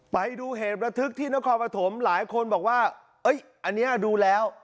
ไปดูเหตุระทึกที่นครปฐมหลายคนบอกว่าอันนี้ดูแล้ว